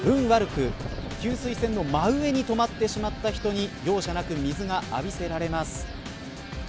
悪く給水栓の真上に止まってしまった人に容赦なく水が浴びせられます。